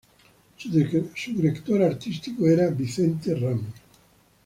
Su director artístico era Vicente Ramos.